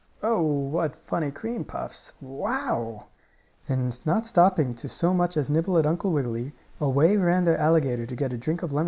"Oh, what funny cream puffs! Wow!" And, not stopping to so much as nibble at Uncle Wiggily, away ran the alligator to get a drink of lemonade.